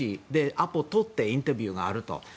アポを取ってインタビューがあると。